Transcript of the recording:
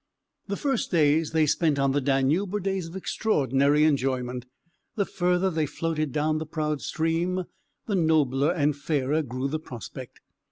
The first days they spent on the Danube were days of extraordinary enjoyment. The further they floated down the proud stream the nobler and fairer grew the prospect.